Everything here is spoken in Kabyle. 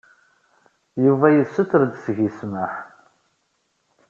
Yuba yessuter-d seg-i ssmaḥ.